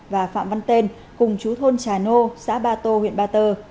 và phạm văn tên cùng chú thôn trà nô xã ba tô huyện ba tơ